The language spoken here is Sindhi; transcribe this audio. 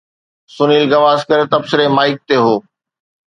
سنيل گواسڪر تبصري مائڪ تي هو.